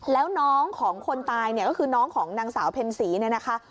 แล้วน้องของคนตายเนี่ยก็คือน้องของนางสาวเพ็ญศรีเนี่ยนะคะ